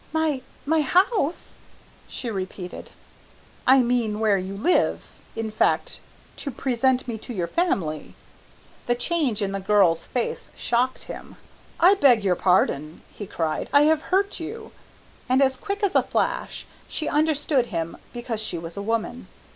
"My my house!" she repeated. "I mean, where you live, in fact, to present me to your family." The change in the girl's face shocked him. "I beg your pardon," he cried, "I have hurt you." And as quick as a flash she understood him because she was a woman.